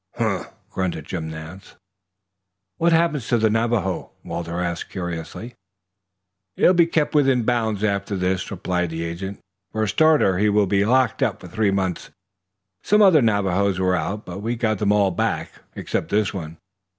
"Humph!" grunted Jim Nance. "What happens to the Navajo?" Walter asked curiously. "He'll be kept within bounds after this," replied the agent. "For a starter he will be locked up for three months. Some other Navajos were out, but we got them all back except this one.